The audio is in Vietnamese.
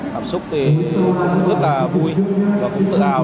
tạm xúc thì cũng rất là vui và cũng tự hào